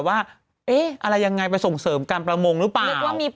อะไรยังไงไปส่งเสริมการประโมงหรือป่าว